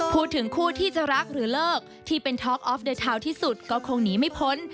พูดถึงคู่ที่จะรักหรือเลิกที่เป็นท็อกออฟเดอร์ทาวน์ที่สุดก็คงหนีไม่พ้น